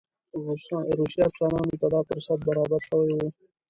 روسي افسرانو ته دا فرصت برابر شوی وو.